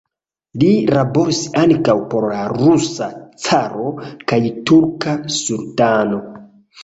Li laboris ankaŭ por la rusa caro kaj turka sultano.